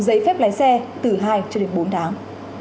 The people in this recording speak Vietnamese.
giấy phép lái xe từ hai cho đến bốn tháng